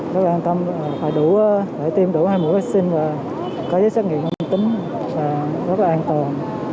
rất an tâm phải đủ để tiêm đủ hai mũi vaccine và có giấy xét nghiệm âm tính rất là an toàn